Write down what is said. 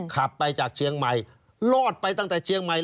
ขับไปจากเชียงใหม่รอดไปตั้งแต่เชียงใหม่